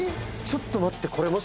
ちょっと待って。